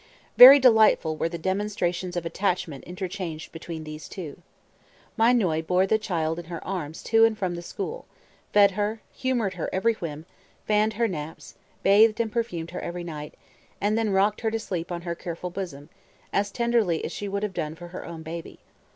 Very delightful were the demonstrations of attachment interchanged between these two. Mai Noie bore the child in her arms to and from the school, fed her, humored her every whim, fanned her naps, bathed and perfumed her every night, and then rocked her to sleep on her careful bosom, as tenderly as she would have done for her own baby.